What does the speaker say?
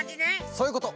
そういうこと！